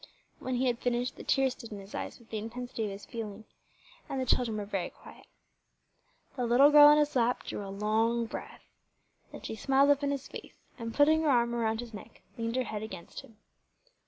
When he had finished, the tears stood in his eyes with the intensity of his feeling, and the children were very quiet. The little girl on his lap drew a long breath. Then she smiled up in his face, and, putting her arm around his neck, leaned her head against him.